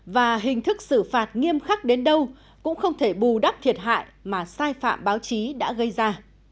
và hình thức xử phạt nghiêm khắc đến đâu cũng không thể bù đắp thiệt hại mà sai phạm báo chí đã gây ra